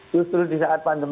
justru di saat pandemi